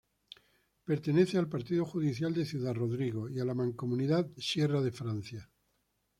Pertenece al partido judicial de Ciudad Rodrigo y a la mancomunidad Sierra de Francia.